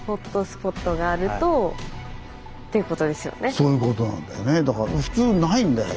そういうことなんだよね。